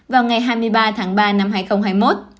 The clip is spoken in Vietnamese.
vào ngày hai mươi ba tháng ba năm hai nghìn hai mươi một